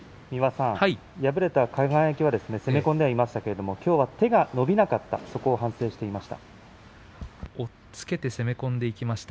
敗れた輝は攻め込んではいましたけれどもきょうは手が伸びなかった、そこを反省していました。